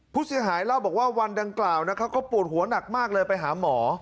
พุศิฮายเล่าบอกว่าวันดังกล่าวเขาก็ปวดหัวหนักมากเลยไปหาหมอ